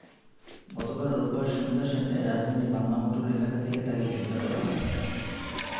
গতকাল রোববার সন্ধ্যা সাতটায় রাজধানীর বাংলামোটর এলাকা থেকে তাঁকে গ্রেপ্তার করা হয়।